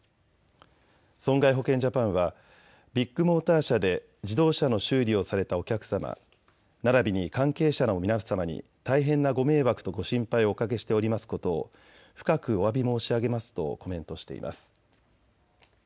損害保険ジャパンはビッグモーター社で自動車の修理をされたお客様、ならびに関係者の皆様に大変なご迷惑とご心配をおかけしておりますことを深くおわび申し上げますとコメントしています。